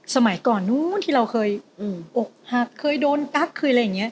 สมัยก่อนนู้นที่เราเคยอกหักเคยโดนกั๊กเคยอะไรอย่างนี้